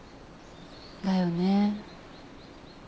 だよね。